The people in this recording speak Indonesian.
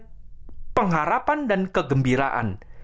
kita harus penuh dengan pengharapan dan kegembiraan